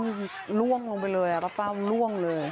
อื้อล่วงลงไปเลยอ่ะป้าเป้าล่วงเลย